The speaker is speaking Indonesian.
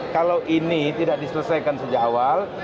kalau ini tidak diselesaikan sejak awal